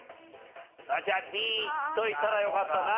じゃあＢいっといたらよかったな。